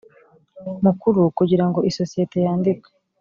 Mukuru kugira ngo isosiyete yandikwe